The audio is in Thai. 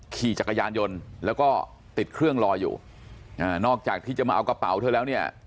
ขี่จักรยานยนต์แล้วก็ติดเครื่องรออยู่อ่านอกจากที่จะมาเอากระเป๋าเธอแล้วเนี่ย